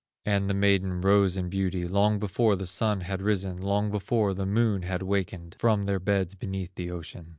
And the maiden rose in beauty, Long before the Sun had risen, Long before the Moon had wakened, From their beds beneath the ocean.